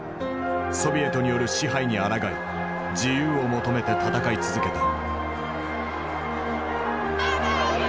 ソビエトによる支配にあらがい自由を求めて闘い続けた。